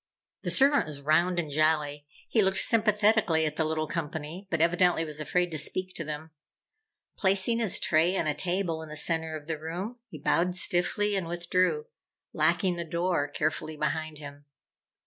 The servant was round and jolly. He looked sympathetically at the little company, but evidently was afraid to speak to them. Placing his tray on a table in the center of the room, he bowed stiffly and withdrew, locking the door carefully behind him.